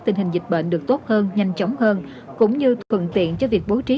tình hình dịch bệnh được tốt hơn nhanh chóng hơn cũng như thuận tiện cho việc bố trí